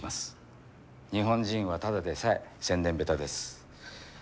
日本人はただでさえ宣伝下手です。